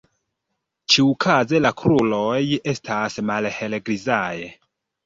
Ĉiukaze la kruroj estas malhelgrizaj.